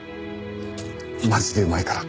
マジでうまいから。